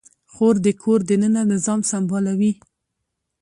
خور د کور دننه نظام سمبالوي.